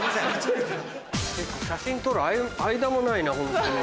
写真撮る間もないなホントに。